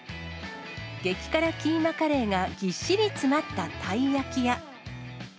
激辛キーマカレーがぎっしり詰まったたい焼きや。